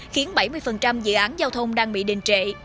khiến bảy mươi dự án giao thông đang bị đình trệ